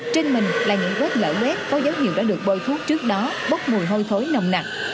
trên mình là những vết lở mép có dấu hiệu đã được bôi thuốc trước đó bốc mùi hôi thối nồng nặc